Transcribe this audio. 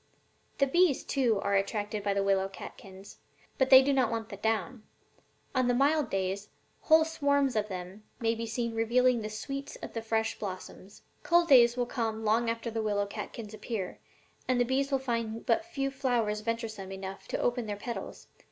The bees, too, are attracted by the willow catkins, but they do not want the down. On mild days whole swarms of them may be seen reveling in the sweets of the fresh blossoms. 'Cold days will come long after the willow catkins appear, and the bees will find but few flowers venturesome enough to open their petals.